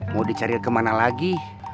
mau dicari kemana lagi